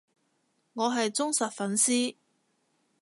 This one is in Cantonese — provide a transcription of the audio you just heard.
我係忠實粉絲